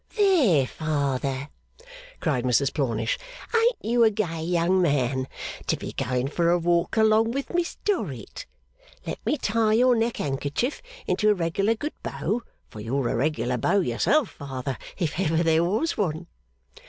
'There, Father!' cried Mrs Plornish. 'Ain't you a gay young man to be going for a walk along with Miss Dorrit! Let me tie your neck handkerchief into a regular good bow, for you're a regular beau yourself, Father, if ever there was one.